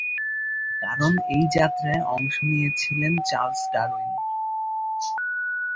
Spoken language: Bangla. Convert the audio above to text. কারণ এই যাত্রায় অংশ নিয়েছিলেন চার্লস ডারউইন।